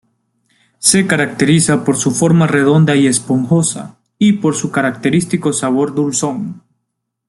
Se caracteriza por su forma redonda y esponjosa, y por su característico sabor dulzón.